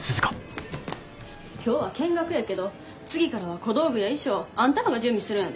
今日は見学やけど次からは小道具や衣装あんたらが準備するんやで。